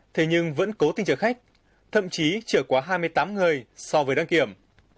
thế nhưng vẫn cố tình chở khách thậm chí trở quá hai mươi tám người so với đăng kiểm